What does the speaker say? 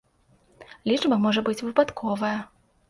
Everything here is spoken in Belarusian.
Лічба можа быць выпадковая.